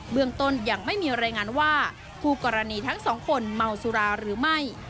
เมืองต้นยังไม่มีรายงานว่าคู่กรณีทั้งสองคนเมาสุราหรือไม่